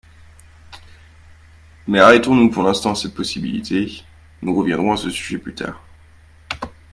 Mais arrêtons-nous pour l’instant à cette possibilité, nous reviendrons à ce sujet plus tard.